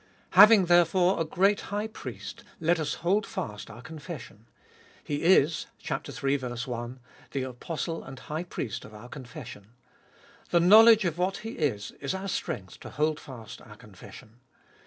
Having, therefore, a great High Priest, let us hold fast our confession! He is (iii. i) the Apostle and High Priest of our confession. The knowledge of what He is is our strength to hold fast our confession.